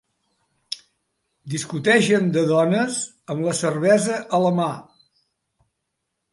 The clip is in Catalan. Discuteixen de dones amb la cervesa a la mà.